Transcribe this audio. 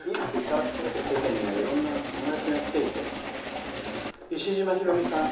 世間には、いろんなハガキがきていていしじまひろみさん。